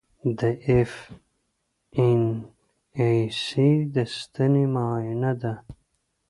د ایف این ای سي د ستنې معاینه ده.